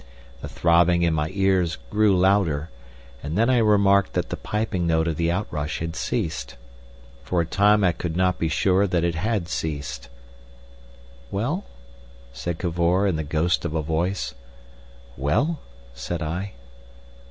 The throbbing in my ears grew louder, and then I remarked that the piping note of the outrush had ceased. For a time I could not be sure that it had ceased. "Well?" said Cavor, in the ghost of a voice. "Well?" said I.